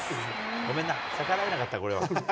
ごめんな、逆らえなかった、これは。